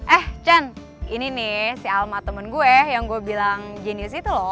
eh chen ini nih si alma temen gue yang gue bilang jenius itu loh